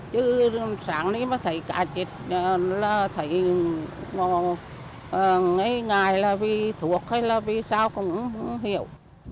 chứ sáng nay mà thấy cá chết là thấy ngây ngài là vì thuộc hay là vì sao cũng không hiểu